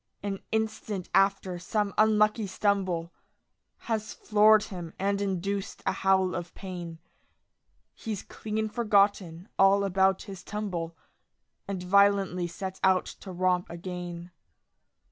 An instant after some unlucky stumble Has floored him and induced a howl of pain, He's clean forgotten all about his tumble And violently sets out to romp again.